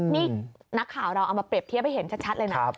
นี่นักข่าวเราเอามาเปรียบเทียบให้เห็นชัดเลยนะ